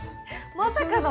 まさかの。